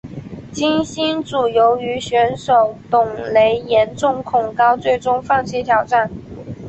金星组由于选手董蕾严重恐高最终放弃挑战。